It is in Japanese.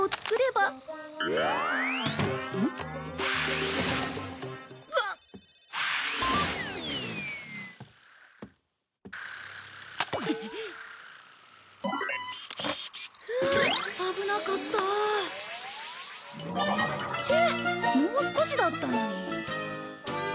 もう少しだったのに。